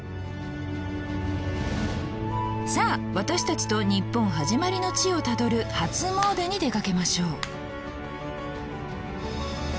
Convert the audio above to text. さあ私たちと日本始まりの地をたどる初詣に出かけましょう。